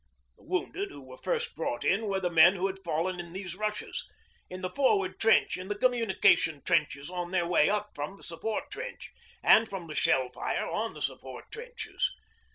The wounded who were first brought in were the men who had fallen in these rushes, in the forward trench, in the communication trenches on their way up from the support trench, and from the shell fire on the support trenches.